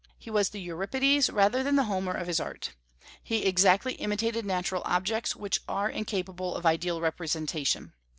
He was the Euripides rather than the Homer of his art. He exactly imitated natural objects, which are incapable of ideal representation.